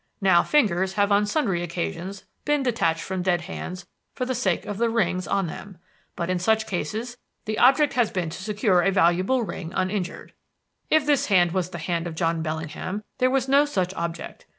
Now, fingers have on sundry occasions been detached from dead hands for the sake of the rings on them. But in such cases the object has been to secure a valuable ring uninjured. If this hand was the hand of John Bellingham, there was no such object.